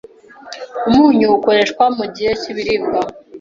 Umunyu ukoreshwa mugihe cyibiribwa.